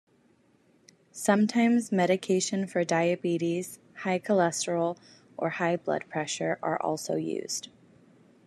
Sometimes medication for diabetes, high cholesterol, or high blood pressure are also used.